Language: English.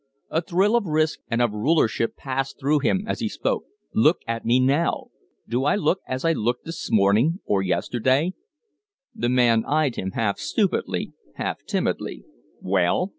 A thrill of risk and of rulership passed through him as he spoke. "Look at me now! Do I look as I looked this morning or yesterday?" The man eyed him half stupidly, half timidly. "Well?"